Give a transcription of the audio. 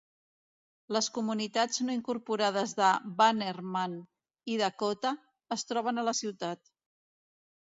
Les comunitats no incorporades de Bannerman i Dakota es troben a la ciutat.